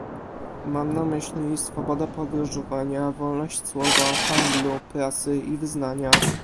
Mam na myśli swobodę podróżowania, wolność słowa, handlu, prasy i wyznania